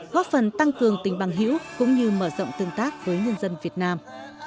góp phần tăng cường tình bằng hữu cũng như mở rộng tương tác với nhân dân việt nam